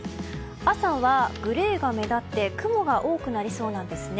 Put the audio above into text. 朝はグレーが目立って雲が多くなりそうなんです。